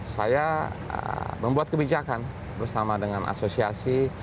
saya membuat kebijakan bersama dengan asosiasi